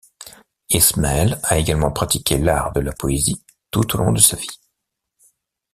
Ismaïl a également pratiqué l'art de la poésie tout au long de sa vie.